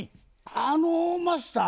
あのマスター？